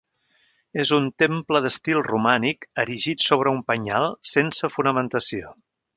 És un temple d'estil romànic, erigit sobre un penyal, sense fonamentació.